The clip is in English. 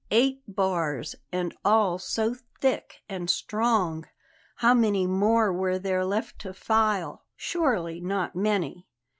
Eight bars, and all so thick and strong! How many more were there left to file? Surely not many.